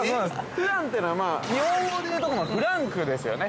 ◆フランというのは、日本語でいうところフランクですよね。